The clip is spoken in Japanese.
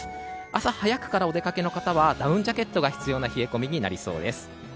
朝早くからお出かけの方はダウンジャケットが必要な冷え込みになりそうです。